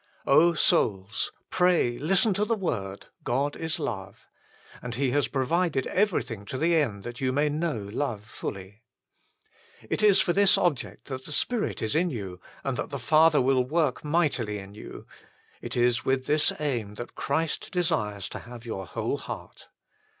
souls, pray, listen to the word :" God is Love "; and He has provided everything to the end that you may know love fully. It is for this object that the Spirit is in you, and that the Father will work mightily in you : it is with this aim that Christ desires to have your whole heart.